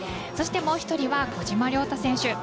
そして、もう１人は小島良太選手。